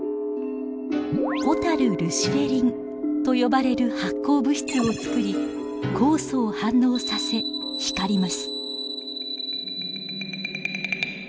ホタルルシフェリンと呼ばれる発光物質をつくり酵素を反応させ光ります。